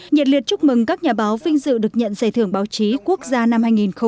nhiệt liệt chúc mừng các nhà báo vinh dự được nhận giải thưởng báo chí quốc gia năm hai nghìn một mươi chín